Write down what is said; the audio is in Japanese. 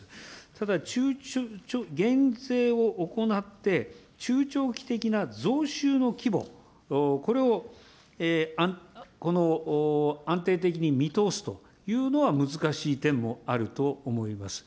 ただ減税を行って中長期的な増収の規模、これを安定的に見通すというのは難しい点もあると思います。